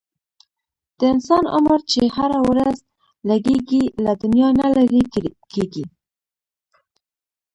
د انسان عمر چې هره ورځ لږیږي، له دنیا نه لیري کیږي